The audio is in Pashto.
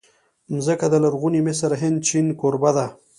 مځکه د لرغوني مصر، هند، چین کوربه ده.